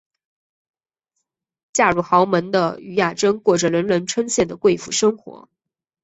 嫁入豪门的禹雅珍过着人人称羡的贵妇生活。